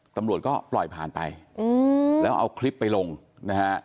ตำรวจก็ปล่อยผ่านไปแล้วเอาคลิปไปลงนะฮะ